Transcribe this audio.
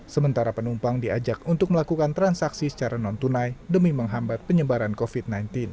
sementara penumpang diajak untuk melakukan transaksi secara non tunai demi menghambat penyebaran covid sembilan belas